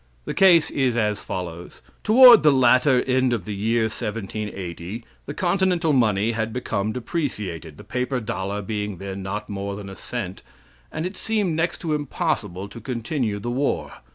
The case is as follows: "Toward the latter end of the year 1780 the continental money had become depreciated the paper dollar being then not more than a cent that it seemed next to impossible to continue the war.